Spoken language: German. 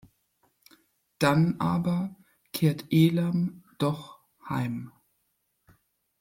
Dann aber kehrt Elam doch heim.